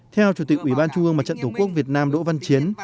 theo chủ tịch ubnd tổ quốc việt nam đỗ văn chiến